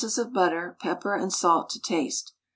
of butter, pepper and salt to taste.